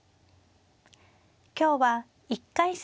今日は１回戦